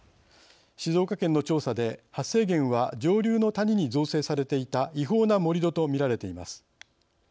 静岡県の調査で発生源は上流の谷に造成されていた違法な盛り土と見られています。